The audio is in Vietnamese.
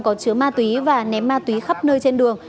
có chứa ma túy và ném ma túy khắp nơi trên đường